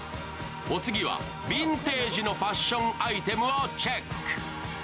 お次はヴィンテージのファッションアイテムをチェック。